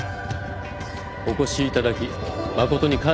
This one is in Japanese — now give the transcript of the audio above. お越しいただき誠に感謝いたします。